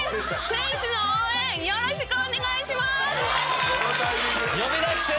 選手の応援よろしくお願いします。